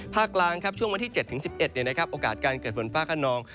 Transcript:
กลางครับช่วงวันที่๗๑๑โอกาสการเกิดฝนฟ้าขนอง